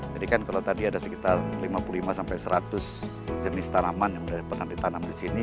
jadi kan kalau tadi ada sekitar lima puluh lima sampai seratus jenis tanaman yang sudah pernah ditanam di sini